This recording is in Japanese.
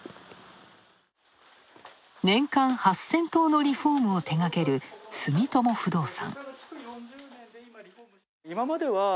年間８０００棟のリフォームを手がける住友不動産。